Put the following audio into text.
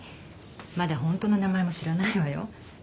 まだホントの名前も知らないわよ。